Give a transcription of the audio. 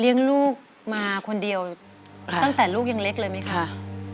เรียงลูกมาคนเดียวตั้งแต่ลูกยังเล็กเลยมั้ยค่ะ